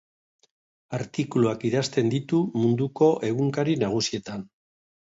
Artikuluak idazten ditu munduko egunkari nagusietan.